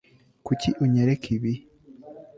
Kuki unyereka ibi